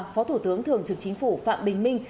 phó thủ tướng thường trực chính phủ phạm bình minh